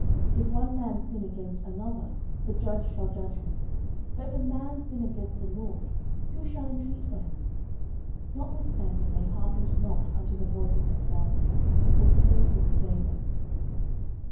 09:002:025 If one man sin against another, the judge shall judge him: but if a man sin against the LORD, who shall intreat for him? Notwithstanding they hearkened not unto the voice of their father, because the LORD would slay them.